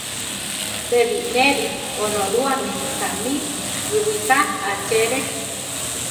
Pe bineri Onorúame tamí iwigá achere.